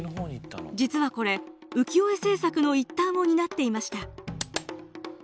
実はこれ浮世絵制作の一端を担っていました。